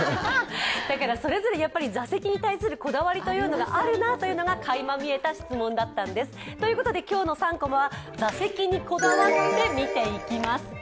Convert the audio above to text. それぞれ座席に対するこだわりというのがあるなというのがかいま見えた質問だったんです。ということで今日の３コマは座席にこだわって見ていきます。